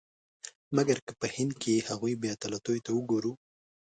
مګر که په هند کې هغو بې عدالتیو ته وګورو.